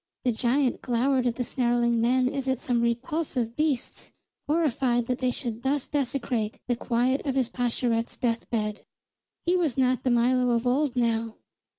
The giant glowered at the snarling men as at some repulsive beasts, horrified that they should thus desecrate the quiet of his Pascherette's death bed. He was not the Milo of old now.